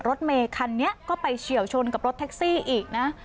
รถเมคันนี้ก็ไปเฉียวชนกับรถแท็กซี่อีกนะ